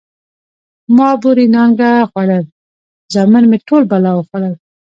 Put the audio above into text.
ـ ما بورې نانګه خوړل، زامن مې ټول بلا وخوړل.